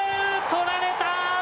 捕られた。